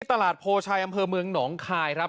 ตลาดโพชัยอำเภอเมืองหนองคายครับ